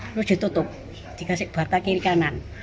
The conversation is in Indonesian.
terus ditutup dikasih bata kiri kanan